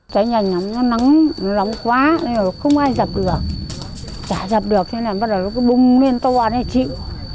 chả chạy được chả chạy được thế là bắt đầu nó cứ bung lên to và chịu